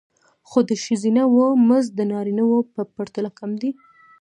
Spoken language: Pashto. خو د ښځینه وو مزد د نارینه وو په پرتله کم دی